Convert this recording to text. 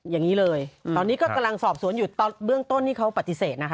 อย่างนี้เลยตอนนี้ก็กำลังสอบสวนอยู่ตอนเบื้องต้นนี่เขาปฏิเสธนะคะ